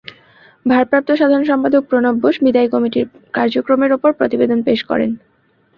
ভারপ্রাপ্ত সাধারণ সম্পাদক প্রণব বোস বিদায়ী কমিটির কার্যক্রমের ওপর প্রতিবেদন পেশ করেন।